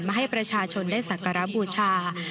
ให้ประชาชนได้สักการะบูชา